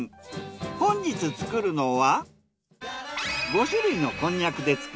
本日作るのは。